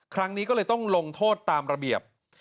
ครั้งนี้ก็เลยต้องลงโทษตามระเบียบ